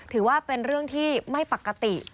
ถือว่าเป็นเรื่องที่ไม่ปกติ